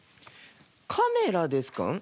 カメラですか？